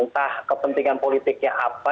entah kepentingan politiknya apa